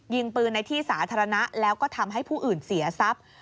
ยิงปืนในที่สาธารณะแล้วก็ทำให้ผู้อื่นเสียทรัพย์